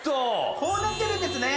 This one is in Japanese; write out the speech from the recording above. こうなってるんですね。